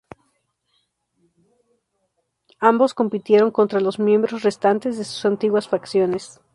Ambos compitieron contra los miembros restantes de sus antiguas facciones.